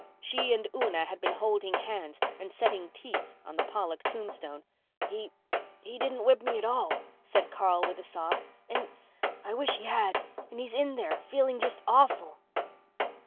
She and Una had been holding hands and setting teeth on the Pollock tombstone. "He—he didn't whip me at all," said Carl with a sob, "and—I wish he had—and he's in there, feeling just awful."